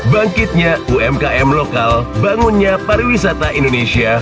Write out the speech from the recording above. bangkitnya umkm lokal bangunnya pariwisata indonesia